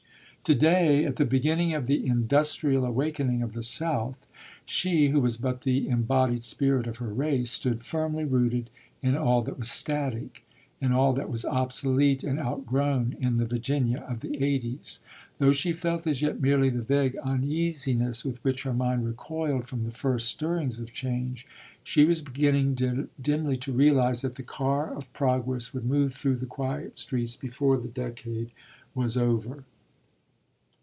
To day, at the beginning of the industrial awakening of the South, she (who was but the embodied spirit of her race) stood firmly rooted in all that was static, in all that was obsolete and outgrown in the Virginia of the eighties. Though she felt as yet merely the vague uneasiness with which her mind recoiled from the first stirrings of change, she was beginning dimly to realize that the car of progress would move through the quiet streets before the decade was over.